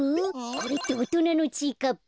これっておとなのちぃかっぱ？